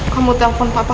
kamu telpon papa